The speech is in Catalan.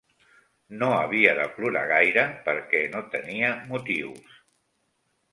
No havia de plorar gaire perquè no tenia motius